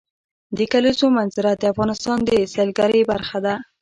د کلیزو منظره د افغانستان د سیلګرۍ برخه ده.